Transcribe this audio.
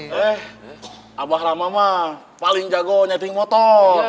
eh abah ramama paling jago setting motor